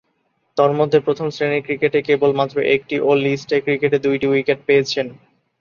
তন্মধ্যে প্রথম-শ্রেণীর ক্রিকেটে কেবলমাত্র একটি ও লিস্ট এ ক্রিকেটে দুইটি উইকেট পেয়েছেন।